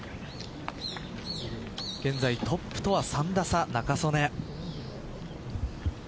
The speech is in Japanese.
現在トップとは３打差、仲宗根。